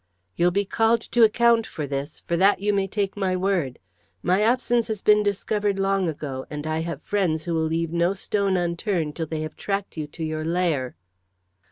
"You'll be called to account for this, for that you may take my word. My absence has been discovered long ago, and I have friends who will leave no stone unturned till they have tracked you to your lair."